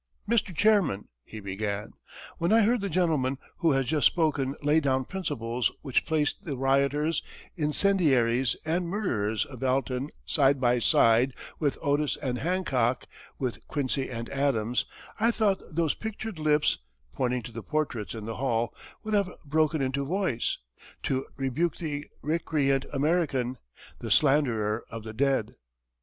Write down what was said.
"Mr. Chairman," he began, "when I heard the gentleman who has just spoken lay down principles which placed the rioters, incendiaries, and murderers of Alton side by side with Otis and Hancock, with Quincy and Adams, I thought those pictured lips [pointing to the portraits in the hall] would have broken into voice, to rebuke the recreant American, the slanderer of the dead.